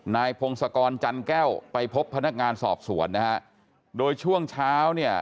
นายพงศกรจันแก้วไปพบพนักงานสอบสวนนะฮะโดยช่วงเช้าเนี่ย